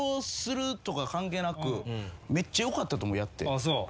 あっそう？